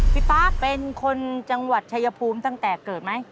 ป๊าเป็นคนจังหวัดชายภูมิตั้งแต่เกิดไหม